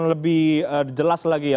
lebih jelas lagi ya